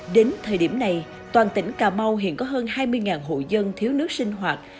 đến thời điểm này toàn tỉnh cà mau hiện có hơn hai mươi hộ dân thiếu nước sinh hoạt